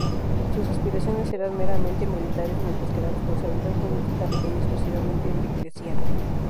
Sus aspiraciones eran meramente militares, mientras que la responsabilidad política recaía exclusivamente en Diocleciano.